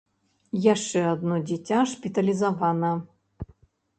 Яшчэ адно дзіця шпіталізавана.